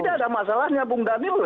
tidak ada masalahnya bang dhanil